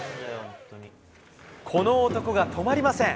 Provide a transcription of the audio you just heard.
この男が止まりません。